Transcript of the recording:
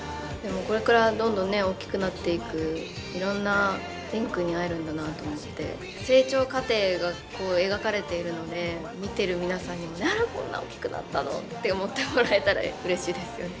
これからどんどん大きくなっていくいろんな蓮くんに会えるんだなと思って成長過程がこう描かれているので見てる皆さんにもこんな大きくなったのって思ってもらえたらうれしいですよね。